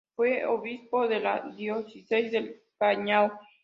Fue obispo de la diócesis del Callao.